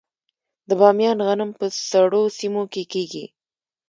د بامیان غنم په سړو سیمو کې کیږي.